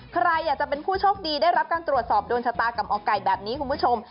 ใครอยากจะเป็นผู้โชคดีได้รับการตรวจสอบโดนชะตากับหมอไก่แบบนี้คุณผู้ชม